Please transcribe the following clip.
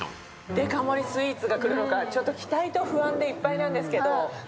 デカ盛りスイーツが来るのか、ちょっと期待でいっぱいなんですけど。